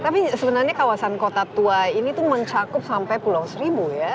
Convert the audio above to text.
tapi sebenarnya kawasan kota tua ini tuh mencakup sampai pulau seribu ya